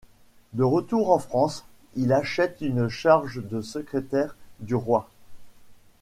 De retour en France, il achète une charge de secrétaire du roi.